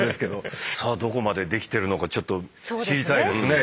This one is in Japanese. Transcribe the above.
さあどこまでできてるのかちょっと知りたいですね